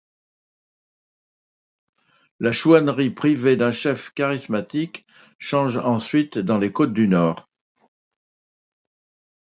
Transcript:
La chouannerie privée d'un chef charismatique change ensuite dans les Côtes-du-Nord.